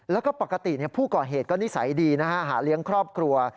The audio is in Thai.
แล้วก็ปกติผู้ก่อเหตุก็นิสัยดีนะฮะหาเลี้ยงครอบครัว